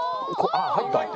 あっ入った。